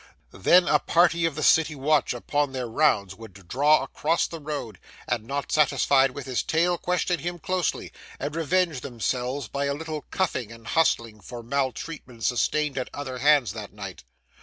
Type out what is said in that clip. Then a party of the city watch, upon their rounds, would draw across the road, and not satisfied with his tale, question him closely, and revenge themselves by a little cuffing and hustling for maltreatment sustained at other hands that night.